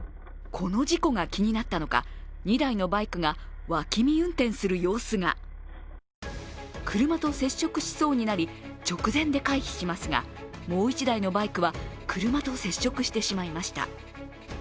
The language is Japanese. この事故が気になったのか、２台のバイクが脇見運転する様子が車と接触しそうになり直前で回避しますが、もう１台のバイクは車と接触してしまいました。